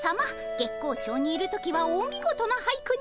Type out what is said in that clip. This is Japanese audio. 月光町にいる時はお見事な俳句にございます。